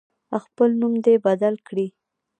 خپل نوم دی بدل کړي.